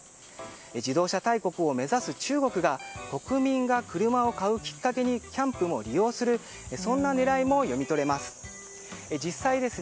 自動車大国を目指す中国が国民が車を買うきっかけにキャンプを利用するそんな狙いも読み取れます。